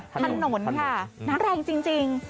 ถนนค่ะน้ำแรงจริง